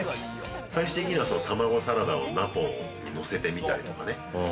最終的には卵サラダをナポの上にのせてみたりとかね。